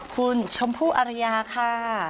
คุณชมพู่อรยาค่ะ